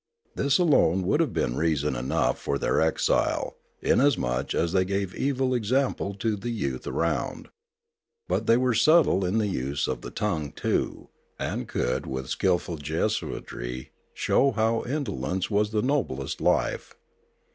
This alone would have been reason enough for their exile, inasmuch as they gave evil ex ample to the youth around. But they were subtle in the use of the tongue too, and could with skilful Jesuitry show how indolence was the noblest life.